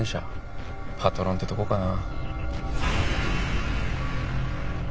パトロンってとこかな。